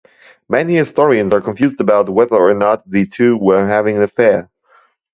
Many historians are confused about whether or not the two were having an affair.